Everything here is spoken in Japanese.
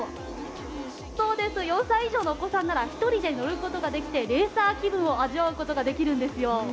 ４歳以上のお子さんなら１人で乗ることができてレーサー気分を味わうことができるんですよ。